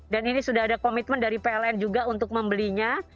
dan ini sudah ada komitmen dari pln juga untuk membelinya